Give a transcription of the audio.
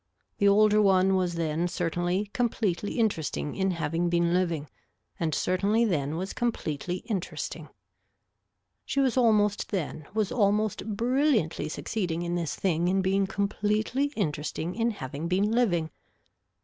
The older one was then certainly completely interesting in having been living and certainly then was completely interesting. She was almost then, was almost brilliantly succeeding in this thing in being completely interesting in having been living.